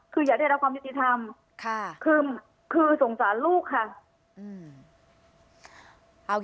คืออย่าได้รับความยุติธรรมคือสงสารลูกค่ะ